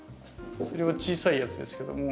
それは小さいやつですけども。